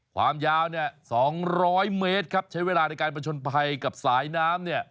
ความยาว๒๐๐เมตรใช้เวลาในการประชนภัยกับสายน้ำ